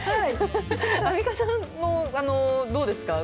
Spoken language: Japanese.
アンミカさん、どうですか。